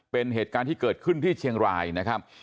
เป็นเหตุการณ์ที่เกิดขึ้นที่เชียงรายนะครับ